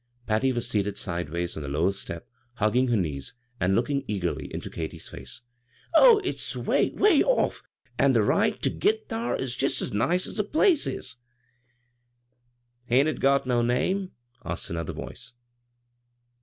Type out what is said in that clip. Patty was seated sideways on the lowest step, hugging her knees, and looking eagerly into Katy's faxx. " Oh, it's 'way, 'way off, an' the ride ter ■ git thar Is jest as nice as the place is." " Hain't it got no name?" asked another voice.